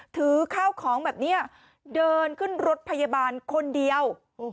ถือข้าวของแบบนี้เดินขึ้นรถพยาบาลคนเดียว